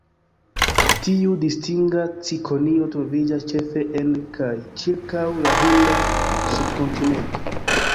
Tiu distinga cikonio troviĝas ĉefe en kaj ĉirkaŭ la Hinda subkontinento.